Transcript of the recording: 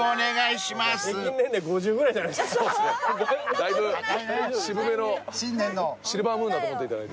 だいぶ渋めのシルバームーンだと思っていただいて。